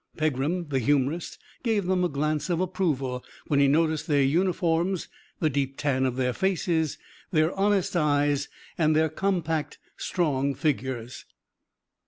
Pegram, the humorist, gave them a glance of approval, when he noticed their uniforms, the deep tan of their faces, their honest eyes and their compact, strong figures.